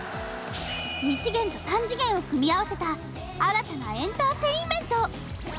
２次元と３次元を組み合わせた新たなエンターテインメント！